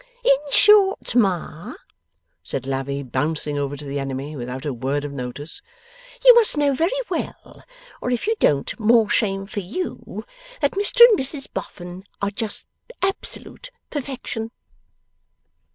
'In short, Ma,' said Lavvy, bouncing over to the enemy without a word of notice, 'you must know very well or if you don't, more shame for you! that Mr and Mrs Boffin are just absolute perfection.